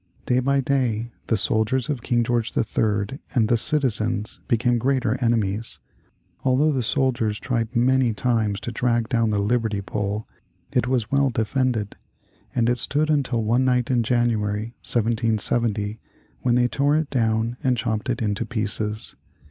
Day by day the soldiers of King George III. and the citizens became greater enemies. Although the soldiers tried many times to drag down the liberty pole, it was well defended, and it stood until one night in January, 1770, when they tore it down and chopped it into pieces.